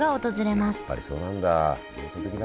やっぱりそうなんだ。